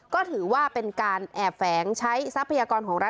ก็ถือว่าเป็นการแอบแฝงใช้ทรัพยากรของรัฐ